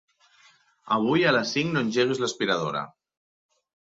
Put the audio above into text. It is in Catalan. Avui a les cinc no engeguis l'aspiradora.